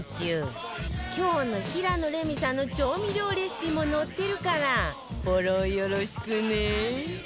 今日の平野レミさんの調味料レシピも載ってるからフォローよろしくね